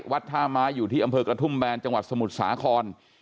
วัดท่าไม้อยู่ที่อำเภอกระทุ่มแบนจังหวัดสมุทรสาคร